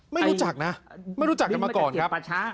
ไม่รู้จักนะไม่รู้จักกันมาก่อนครับ